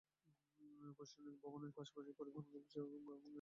প্রশাসনিক ভবনের পাশাপাশি পরিবহন অফিস এবং এস্টেট অফিসের কার্যক্রমও বন্ধ ছিল।